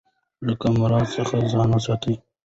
له قمار څخه ځان وساتئ.